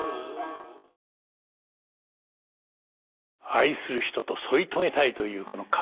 愛する人と添い遂げたいというこのかさねの気持ち